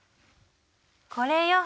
これよ。